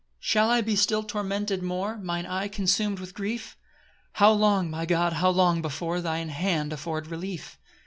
4 Shall I be still tormented more? Mine eye consum'd with grief? How long, my God, how long before Thine hand afford relief?